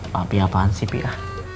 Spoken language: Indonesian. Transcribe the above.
tapi apaan sih pia